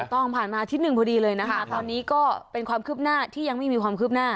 ต้องผ่านมาอาทิตย์หนึ่งพอดีเลยนะคะตอนนี้ก็เป็นความคืบหน้าที่ยังไม่มีความคืบหน้า